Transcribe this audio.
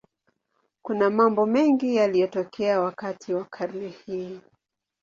Kuna mambo mengi yaliyotokea wakati wa karne hii.